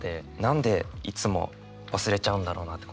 何でいつも忘れちゃうんだろうなって